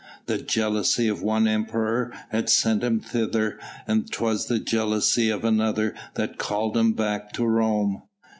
The jealousy of one emperor had sent him thither and 'twas the jealousy of another that called him back to Rome.